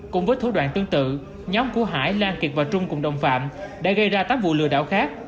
cũng với thủ đoạn tương tự nhóm của hải lan kiệt và trung cùng đồng phạm đã gây ra tám vụ lừa đảo khác